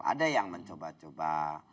ada yang mencoba coba